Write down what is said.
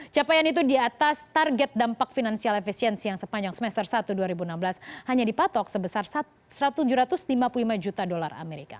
capaian itu di atas target dampak finansial efisiensi yang sepanjang semester satu dua ribu enam belas hanya dipatok sebesar satu tujuh ratus lima puluh lima juta dolar amerika